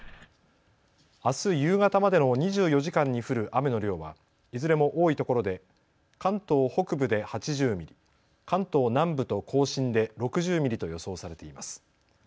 あす夕方までの２４時間に降る雨の量はいずれも多いところで関東北部で８０ミリ、関東南部と甲信で６０ミリと予想されています。